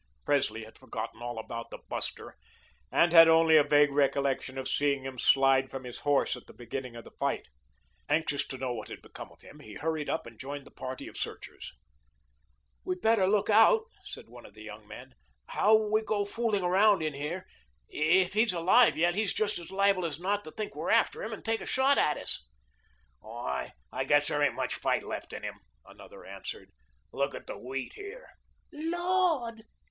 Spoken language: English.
Presley had forgotten all about the buster and had only a vague recollection of seeing him slide from his horse at the beginning of the fight. Anxious to know what had become of him, he hurried up and joined the party of searchers. "We better look out," said one of the young men, "how we go fooling around in here. If he's alive yet he's just as liable as not to think we're after him and take a shot at us." "I guess there ain't much fight left in him," another answered. "Look at the wheat here." "Lord!